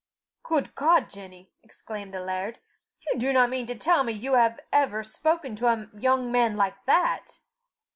"Good God, Jenny!" exclaimed the laird, "you do not mean to tell me you have ever spoken to a young man like that?"